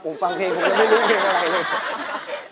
ผมฟังเพลงผมยังไม่รู้เพลงอะไรเลย